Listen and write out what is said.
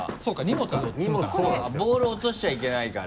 ボール落としちゃいけないから。